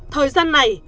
thời gian này